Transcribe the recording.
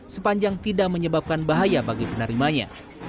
sepanjang tidak menyebabkan bahaya bagi penerimanya